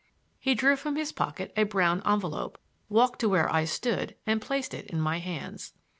He drew from his pocket a brown envelope, walked to where I stood and placed it in my hands.